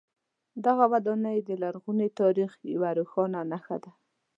دغه ودانۍ د لرغوني تاریخ یوه روښانه نښه ده.